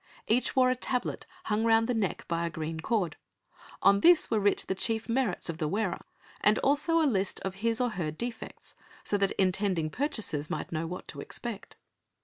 Each wore a tablet hung round the neck by a green cord: on this were writ the chief merits of the wearer, and also a list of his or her defects, so that intending purchasers might know what to expect.